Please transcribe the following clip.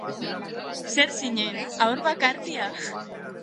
Zer zinen, haur bakartia?